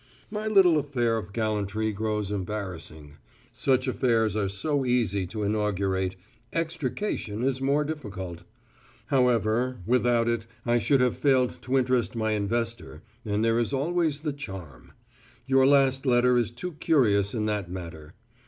My little affair of gallantry grows embarrassing. Such affairs are so easy to inaugurate; extrication is more difficult. However, without it I should have failed to interest my investor and there is always the charm. Your last letter is too curious in that matter.